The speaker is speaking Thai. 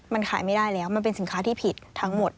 มันขายไม่ได้แล้วมันเป็นสินค้าที่ผิดทั้งหมด